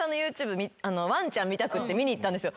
ワンちゃん見たくって見に行ったんですよ。